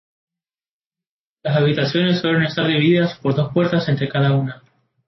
Las habitaciones suelen estar divididas por dos puertas entre cada una.